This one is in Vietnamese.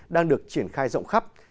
đang được triển khai rộng khắp